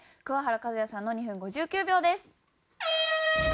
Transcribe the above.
桑原和也さんの２分５９秒です。